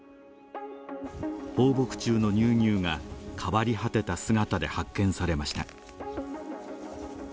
放牧中の乳牛が変わり果てた姿で発見されました。